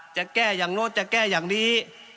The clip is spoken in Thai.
จะแก้อย่างโน้นจะแก้อย่างนี้